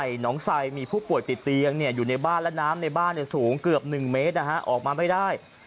หนองไซมีผู้ป่วยติดเตียงอยู่ในบ้านและน้ำในบ้านสูงเกือบ๑เมตรออกมาไม่ได้